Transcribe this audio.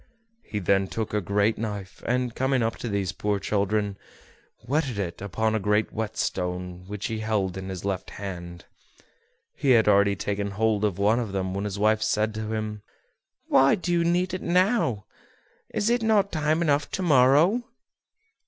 He then took a great knife, and, coming up to these poor children, whetted it upon a great whet stone which he held in his left hand. He had already taken hold of one of them when his wife said to him: "Why need you do it now? Is it not time enough to morrow?"